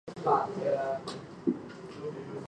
只于深宵时段提供服务。